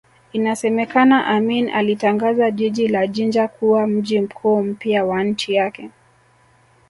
Inasemekana Amin alitangaza jiji la Jinja kuwa mji mkuu mpya wa nchi yake